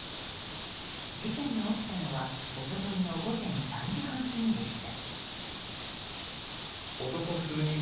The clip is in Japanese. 事件が起きたのは一昨日の午前３時半過ぎでした。